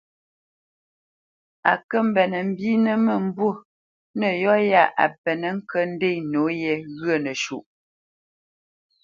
A kə mbenə mbínə mə́mbû nə yɔ ya a penə ŋkə ndenə nǒye ghyə̂ nəsuʼ.